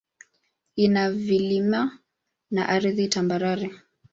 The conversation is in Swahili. Ina vilima na ardhi tambarare.